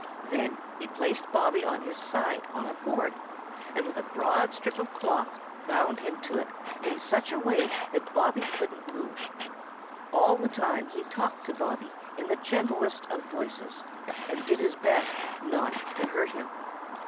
Then he placed Bobby on his side on a board and with a broad strip of cloth bound him to it in such a way that Bobby couldn't move. All the time he talked to Bobby in the gentlest of voices and did his best not to hurt him.